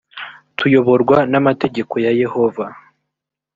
tuyoborwa n amategeko ya yehova